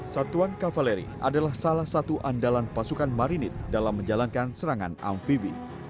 satuan kavaleri adalah salah satu andalan pasukan marinir dalam menjalankan serangan amfibi